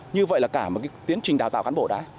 như vậy là cả tiến trình đào tạo cán bộ